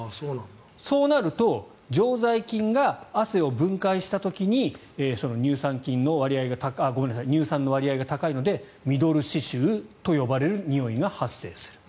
そうなると常在菌が汗を分解した時にその乳酸の割合が高いのでミドル脂臭と呼ばれるにおいが発生する。